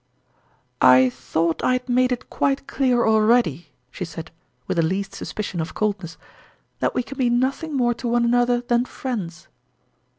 "I thought I had made it quite clear al ready," she said, with the least suspicion of coldness, " that we can be nothing more to one another than friends."